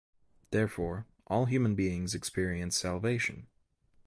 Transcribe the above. Therefore, all human beings experience salvation.